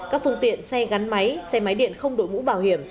các phương tiện xe gắn máy xe máy điện không đội mũ bảo hiểm